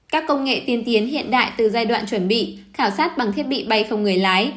các công nghệ tiên tiến hiện đại từ giai đoạn chuẩn bị khảo sát bằng thiết bị bay không người lái